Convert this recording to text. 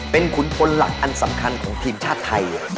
เป็นขุนพลหลักอันสำคัญของทีมชาติไทย